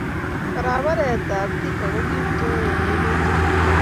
barabaree kab Thika kokinto en emee tukul